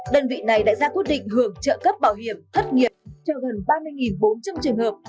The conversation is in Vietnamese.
đơn vị này đã ra quyết định hưởng trợ cấp bảo hiểm thất nghiệp cho gần ba mươi bốn trăm linh trường hợp